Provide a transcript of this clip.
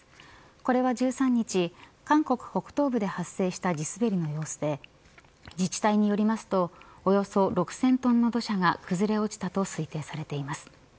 これは１３日韓国北東部で発生した地滑りの様子で自治体によりますとおよそ６０００トンの土砂が崩れ落ちたと推定されています。